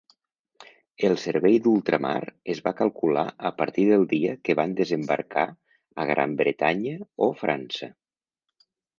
El Servei d'Ultramar es va calcular a partir del dia que van desembarcar a Gran Bretanya o França.